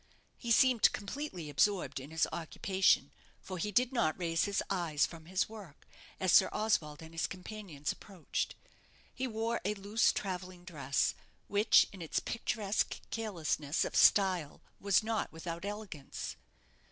He seemed completely absorbed in his occupation, for he did not raise his eyes from his work as Sir Oswald and his companions approached. He wore a loose travelling dress, which, in its picturesque carelessness of style, was not without elegance.